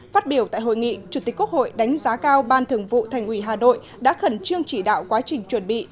phát biểu tại hội nghị chủ tịch quốc hội đánh giá cao ban thường vụ thành ủy hà nội đã khẩn trương chỉ đạo quá trình chuẩn bị